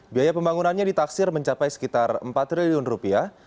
biaya pembangunannya ditaksir mencapai sekitar empat triliun rupiah